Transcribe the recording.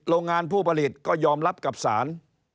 โรงงานผู้ผลิตก็ยอมรับกับสาร